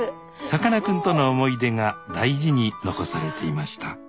さかなクンとの思い出が大事に残されていました